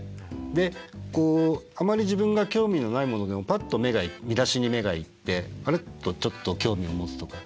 であまり自分が興味のないものでもぱっと見出しに目がいってあれっとちょっと興味を持つとか。